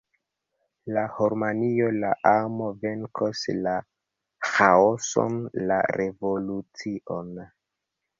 La harmonio, la amo venkos la ĥaoson, la revolucion.